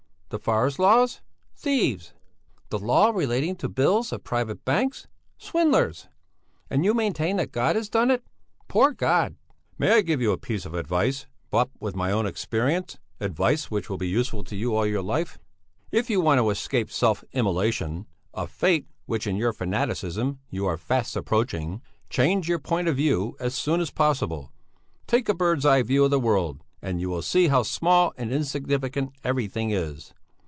The forest laws? Thieves! The law relating to bills of private banks? Swindlers! And you maintain that God has done it? Poor God!" "May I give you a piece of advice, bought with my own experience, advice which will be useful to you all your life? If you want to escape self immolation, a fate which in your fanaticism you are fast approaching, change your point of view as soon as possible. Take a bird's eye view of the world, and you will see how small and insignificant everything is.